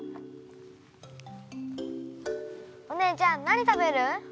お姉ちゃん何食べる？